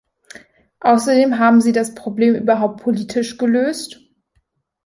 Außerdem haben Sie das Problem überhaupt politisch gelöst?